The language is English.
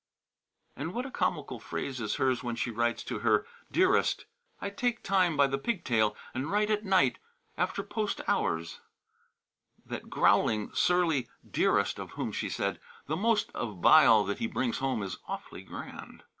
And what a comical phrase is hers when she writes to her "Dearest" "I take time by the pig tail and write at night, after post hours" that growling, surly "dearest," of whom she said, "The amount of bile that he brings home is awfully grand."